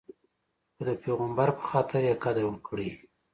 خو د پیغمبر په خاطر یې قدر وکړئ.